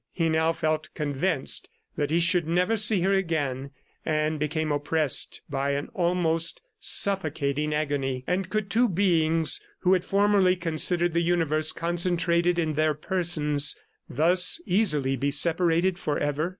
He now felt convinced that he should never see her again, and became oppressed by an almost suffocating agony. And could two beings, who had formerly considered the universe concentrated in their persons, thus easily be separated forever?